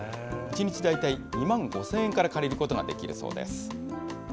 １日大体２万５０００円から借りることができるそうです。